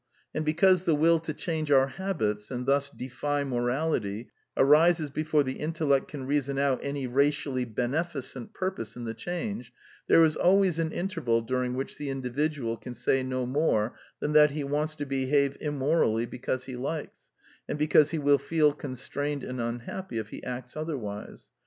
And because the will to change our habits and thus defy morality arises before the intellect can reason out any racially beneficent purpose in the change, there is always an interval during which the individual can say no more than that he wants to behave immorally because he likes, and because he will feel constrained and unhappy if he acts other wise.